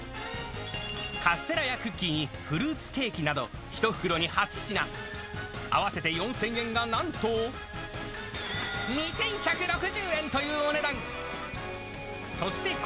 カステラやクッキーにフルーツケーキなど、１袋に８品、合わせて４０００円がなんと、２１６０円というお値段。